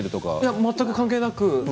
全く関係なく。